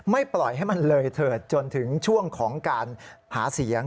ปล่อยให้มันเลยเถิดจนถึงช่วงของการหาเสียง